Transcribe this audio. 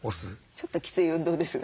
ちょっときつい運動ですね。